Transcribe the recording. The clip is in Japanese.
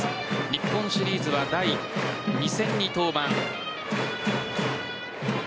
日本シリーズは第２戦に登板。